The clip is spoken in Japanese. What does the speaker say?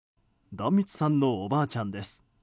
壇蜜さんのおばあちゃんです。